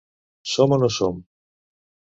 Som o no som?